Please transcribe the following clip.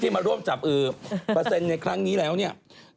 มาร่วมจับเปอร์เซ็นต์ในครั้งนี้แล้วเนี่ย